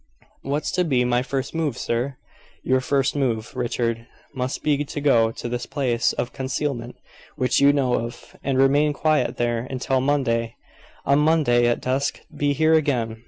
"What's to be my first move, sir?" "Your first move, Richard, must be to go to this place of concealment, which you know of, and remain quiet there until Monday. On Monday, at dusk, be here again.